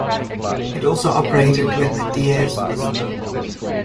It also operated when the Dieze was low.